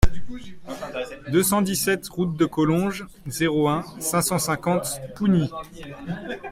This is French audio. deux cent dix-sept route de Collonges, zéro un, cinq cent cinquante Pougny